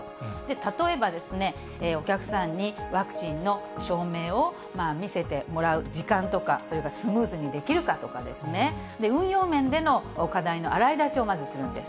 例えば、お客さんにワクチンの証明を見せてもらう時間とか、それがスムーズにできるかとか、運用面での課題の洗い出しをまずするんです。